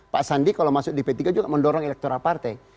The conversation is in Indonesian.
pak sandi kalau masuk di p tiga juga mendorong elektoral partai